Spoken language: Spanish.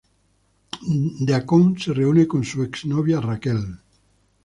Deacon se reúne con su ex novia Raquel.